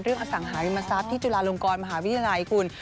เรื่องอสังหาริมทรัพย์ที่จุลารงค์กรมหาวิทยาลัยเอิงคุณ